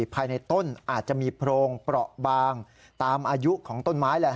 ภายในต้นอาจจะมีโพรงเปราะบางตามอายุของต้นไม้แหละ